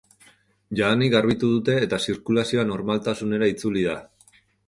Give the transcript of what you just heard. Jadanik garbitu dute eta zirkulazioa normaltasunera itzuli da.